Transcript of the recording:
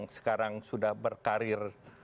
sekarang sudah berkarir